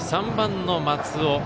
３番の松尾。